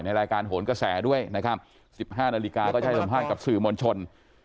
รายการโหนกระแสด้วยนะครับ๑๕นาฬิกาก็จะให้สัมภาษณ์กับสื่อมวลชน